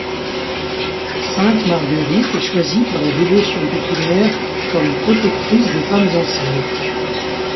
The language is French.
Sainte Marguerite est choisie par la dévotion populaire comme protectrice des femmes enceintes.